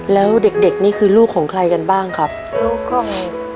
แล้วเด็กเด็กนี่คือลูกของใครกันบ้างครับลูกก็มี